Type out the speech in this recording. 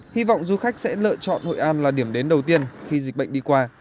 hy vọng du khách sẽ lựa chọn hội an là điểm đến đầu tiên khi dịch bệnh đi qua